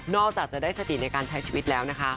จากจะได้สติในการใช้ชีวิตแล้วนะคะ